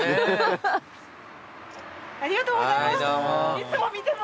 ありがとうございます。